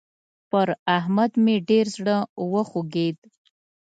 پر احمد مې ډېر زړه وخوږېد.